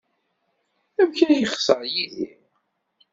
Amek ay yexṣer Yidir?